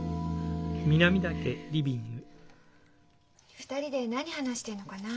２人で何話してんのかな？